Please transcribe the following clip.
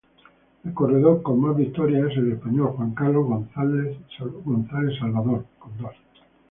El corredor con más victorias es el español Juan Carlos González Salvador, con dos.